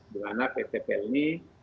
di mana pt pelni